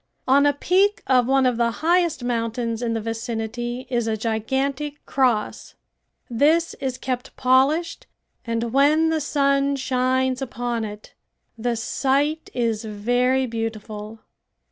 On a peak of one of the highest mountains in the vicinity is a gigantic cross. This is kept polished and when the sun shines upon it the sight is very beautiful.